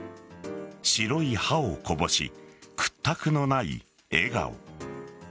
白い歯をこぼし、屈託のない笑顔。